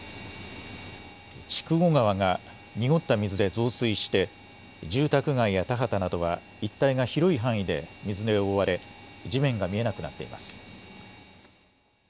筑後川が濁った水で増水して、住宅街や田畑など一帯が広い範囲で水に覆われ、地面が見えなくなっています。